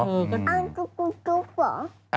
อ้างจุ๊บจุ๊บจุ๊บเหรอ